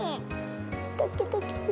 ドキドキする。